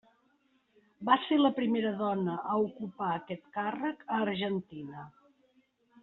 Va ser la primera dona a ocupar aquest càrrec a Argentina.